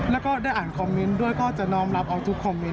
แล้วก็ได้อ่านคอมเมนต์ด้วยก็จะน้อมรับเอาทุกคอมเมนต